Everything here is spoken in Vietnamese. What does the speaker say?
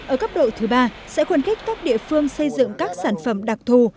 ở cấp độ thứ ba sẽ khuyến khích các địa phương xây dựng các sản phẩm đặc thù